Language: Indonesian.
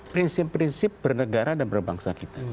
prinsip prinsip bernegara dan berbangsa kita